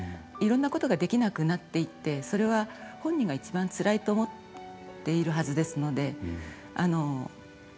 いろんなことができなくなっていってそれは、本人がいちばんつらいと思っているはずですので。